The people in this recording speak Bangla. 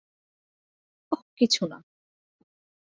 ওহ, কিছু না।